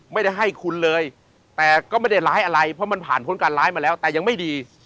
ไม่ได้ให้คุณเลยแต่ก็ไม่ได้ร้ายอะไรเพราะมันผ่านพ้นการร้ายมาแล้วแต่ยังไม่ดี